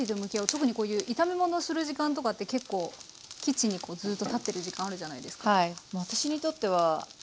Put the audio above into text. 特にこういう炒め物をする時間とかって結構キッチンにずっと立ってる時間あるじゃないですか。